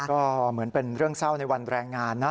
ก็เหมือนเป็นเรื่องเศร้าในวันแรงงานนะ